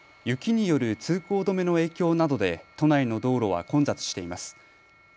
雪による通行止めの影響などで都内の道路は混雑しています。